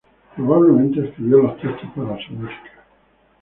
Probablemente escribió los textos para su música.